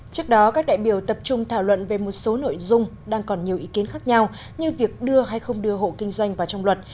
trước đó các đại biểu tập trung thảo luận về một số nội dung đang còn nhiều ý kiến khác nhau như việc đưa hay không đưa hộ kinh doanh vào trong luật